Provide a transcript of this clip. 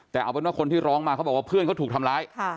แต่เอาเป็นว่าคนที่ร้องมาเขาบอกว่าเพื่อนเขาถูกทำร้าย